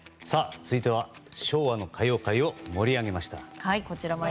続いては昭和の歌謡界を盛り上げました。